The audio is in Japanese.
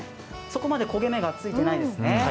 そこまで焦げ目がついてないですね。